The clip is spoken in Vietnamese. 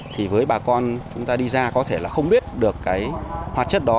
thì với bà con chúng ta đi ra có thể là không biết được cái hoạt chất đó